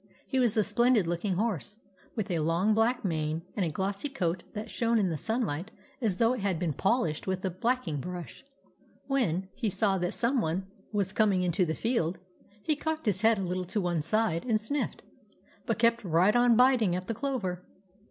He was a splendid looking horse, with a long black mane, and a glossy coat that shone in the sunlight as though it had been polished with a blacking brush When THE TAMING OF REX 17 he saw that some one was coming into the field he cocked his head a little to one side and sniffed, but kept right on biting at the clover.